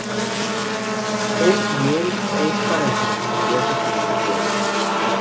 El y el es para los estudiantes privilegiados.